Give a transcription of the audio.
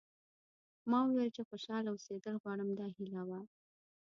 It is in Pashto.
ما وویل چې خوشاله اوسېدل غواړم دا هیله وه.